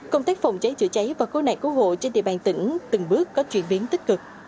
công tác phòng cháy chữa cháy và cố nạn cứu hộ trên địa bàn tỉnh từng bước có chuyển biến tích cực